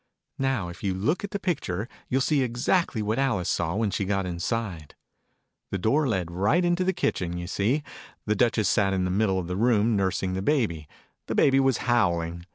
Digitized by Google 30 THE NURSERY "ALICE." Now, if you look at the picture, you'll see exactly what Alice saw when she got inside. The door led right into the kitchen, you see. The Duchess sat in the middle of the room, nursing the Baby. The Baby was howling.